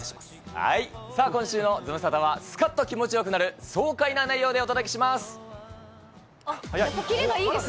はい、今週のズムサタは、すかっと気持ちよくなる爽快な内容でお届けします。